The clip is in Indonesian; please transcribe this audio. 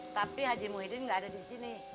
tapi haji muhyiddin gak ada disini